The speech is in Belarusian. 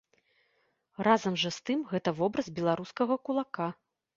Разам жа з тым гэта вобраз беларускага кулака.